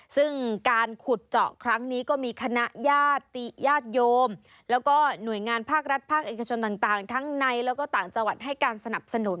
ซึ่งการขุดเจาะครั้งนี้ก็มีคณะญาติโยมแล้วก็หน่วยงานภาครัฐภาคเอกชนต่างทั้งในแล้วก็ต่างจังหวัดให้การสนับสนุน